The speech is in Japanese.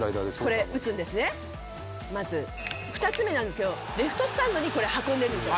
２つ目なんですけどレフトスタンドに運んでるんですよ